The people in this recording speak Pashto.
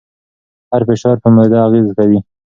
هر فشار پر معده اغېز کوي.